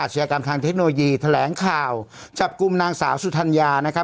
ชยากรรมทางเทคโนโลยีแถลงข่าวจับกลุ่มนางสาวสุธัญญานะครับ